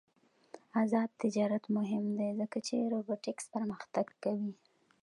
آزاد تجارت مهم دی ځکه چې روبوټکس پرمختګ کوي.